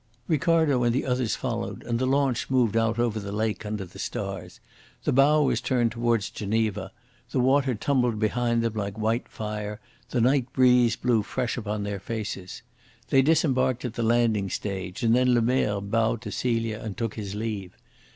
Ricardo and the others followed, and the launch moved out over the lake under the stars. The bow was turned towards Geneva, the water tumbled behind them like white fire, the night breeze blew fresh upon their faces. They disembarked at the landing stage, and then Lemerre bowed to Celia and took his leave.